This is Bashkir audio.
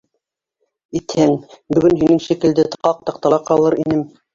- Итһәң, бөгөн һинең шикелде ҡаҡ таҡтала ҡалыр инем.